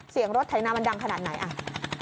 เสียงรถไถนามันดังขนาดไหนอ่ะ